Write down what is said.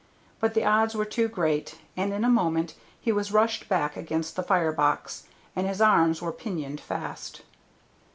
But the odds were too great, and in a moment he was rushed back against the fire box, and his arms were pinioned fast.